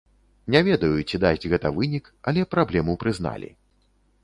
Не ведаю, ці дасць гэта вынік, але праблему прызналі.